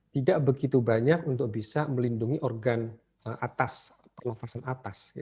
tidak begitu banyak untuk bisa melindungi organ atas